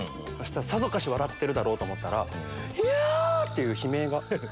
さぞかし笑ってるだろうと思ったらイヤ！っていう悲鳴が。